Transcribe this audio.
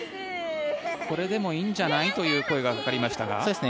これでもいいんじゃない？という声がかかりましたが。